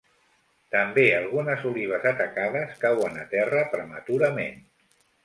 També algunes olives atacades cauen a terra prematurament.